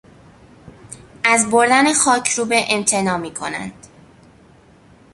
از بردن خاکروبه امتناع میکنند.